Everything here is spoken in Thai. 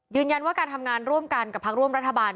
ยืนยันว่าการทำงานร่วมกันกับพักร่วมรัฐบาล